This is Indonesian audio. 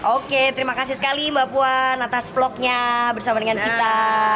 oke terima kasih sekali mbak puan atas vlognya bersama dengan kita